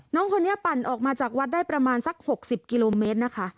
น้องคนนี้ปั่นออกมาจากวัดได้ประมาณสัก๖๐กิโลเมตรนะคะ